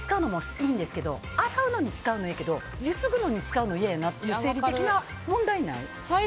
洗濯で使うのもいいんですけど洗うのに使うのはいいけどゆすぐのに使うのは嫌やなって生理的な問題ない？